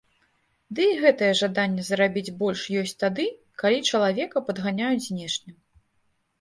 Ды і гэтае жаданне зарабіць больш ёсць тады, калі чалавека падганяюць знешне.